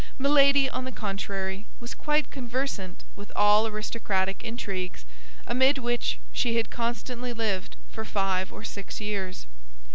Milady, on the contrary, was quite conversant with all aristocratic intrigues, amid which she had constantly lived for five or six years.